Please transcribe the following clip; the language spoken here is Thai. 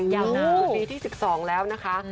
อย่างนั้นวันดีที่๑๒แล้วนะคะ